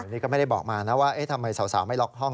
นี่ก็ไม่ได้บอกมานะว่าทำไมสาวไม่ล็อกห้อง